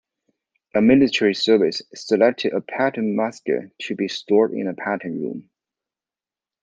A military service selected a "pattern musket" to be stored in a "pattern room".